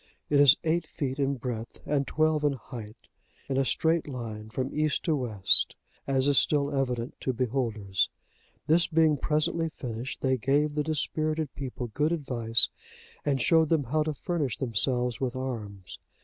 It is eight feet in breadth, and twelve in height, in a straight line from east to west, as is still evident to beholders. This being presently finished, they gave the dispirited people good advice, and showed them how to furnish themselves with arms.